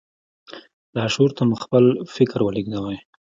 لاشعور ته مو خپل فکر ولېږدوئ.